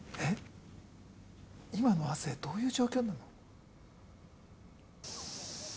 今の亜生どういう状況なの？